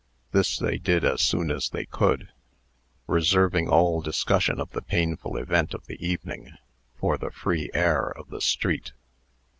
This they did as soon as they could, reserving all discussion of the painful event of the evening for the free air of the street.